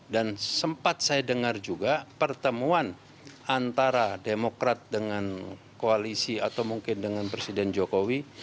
dan sempat saya dengar juga pertemuan antara demokrat dengan koalisi atau mungkin dengan presiden jokowi